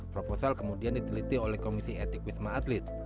proposal kemudian diteliti oleh komisi etik wisma atlet